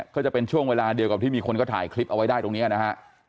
ก็จะเป็นช่วงเวลาเดียวกับที่มีคนก็ถ่ายคลิปเอาไว้ได้ตรงนี้นะฮะ